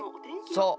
そう。